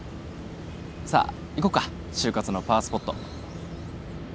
さあ行こっか就活のパワースポット。